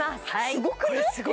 すごくない？